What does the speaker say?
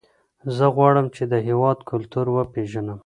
زه غواړم چې د هېواد کلتور وپېژنم.